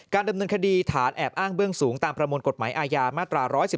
ดำเนินคดีฐานแอบอ้างเบื้องสูงตามประมวลกฎหมายอาญามาตรา๑๑๒